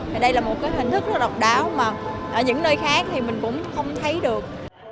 thì đây là một cái hình thức rất là độc đáo mà ở những nơi khác thì mình cũng không thấy được